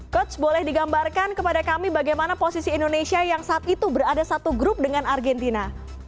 coach boleh digambarkan kepada kami bagaimana posisi indonesia yang saat itu berada satu grup dengan argentina